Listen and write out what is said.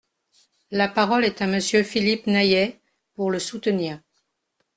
La parole est à Monsieur Philippe Naillet, pour le soutenir.